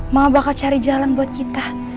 mau bakal cari jalan buat kita